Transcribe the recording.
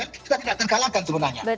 kita tidak terkalahkan sebenarnya